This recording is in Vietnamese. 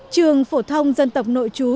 trường phổ thông dân tộc nội chú